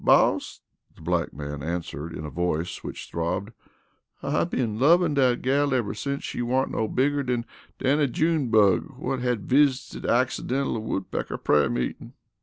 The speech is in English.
"Boss," the black man answered in a voice which throbbed, "I been lovin' dat gal ever since she warn't no bigger dan dan dan a June bug whut had visited accidental a woodpecker prayer meetin'."